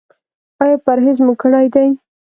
ایا پرهیز مو کړی دی؟